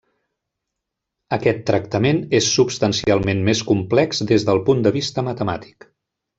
Aquest tractament és substancialment més complex des del punt de vista matemàtic.